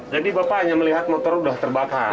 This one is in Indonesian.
jadi bapak hanya melihat motor udah terbakar